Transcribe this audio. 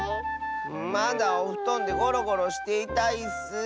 まだおふとんでゴロゴロしていたいッス。